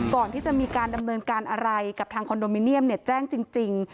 ก่อนที่จะมีการดำเนินการอะไรกับทางคอนโดมิเนียมแจ้งจริง